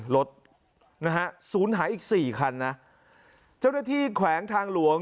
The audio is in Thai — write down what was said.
รถนะฮะศูนย์หายอีกสี่คันนะเจ้าหน้าที่แขวงทางหลวง